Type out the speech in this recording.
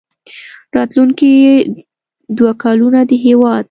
راتلونکي دوه کلونه د هېواد